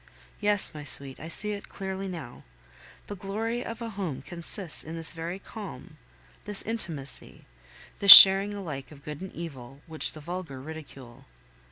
Yes, my sweet, I see it clearly now; the glory of a home consists in this very calm, this intimacy, this sharing alike of good and evil, which the vulgar ridicule.